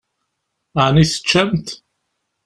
Ɛni teččamt?